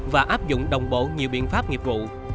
và áp dụng đồng bộ nhiều biện pháp nghiệp vụ